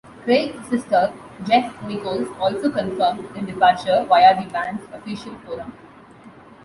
Craig's sister, Jess Nicholls, also confirmed their departure via the band's official forum.